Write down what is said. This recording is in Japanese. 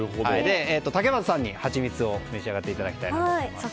竹俣さんにハチミツを召し上がっていただきたいなと。